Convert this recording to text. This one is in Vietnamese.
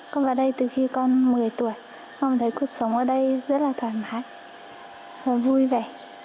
con ra đây từ khi con một mươi tuổi con thấy cuộc sống ở đây rất là thoải mái và vui vẻ